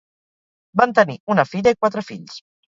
Van tenir una filla i quatre fills.